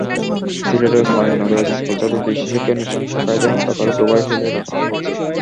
সিলেটের ওসমানীনগরে স্কুলছাত্র দুই শিশুকে নৃশংস কায়দায় হত্যা করে ডোবায় ফেলে রাখা হয়েছে।